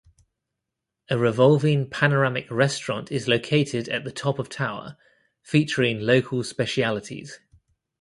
A revolving panoramic restaurant is located at the top of tower, featuring local specialities.